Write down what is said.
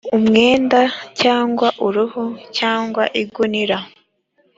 umwenda cyangwa uruhu, cyangwa igunira